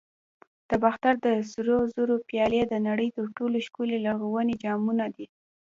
د باختر د سرو زرو پیالې د نړۍ تر ټولو ښکلي لرغوني جامونه دي